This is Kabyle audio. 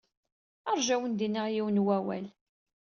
Ṛju ad awen-iniɣ yiwen n wawal.